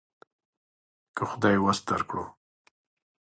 که خدای وس درکړو.